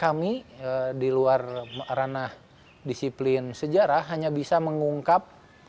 kami di luar ranah disiplin sejarah hanya bisa mengungkap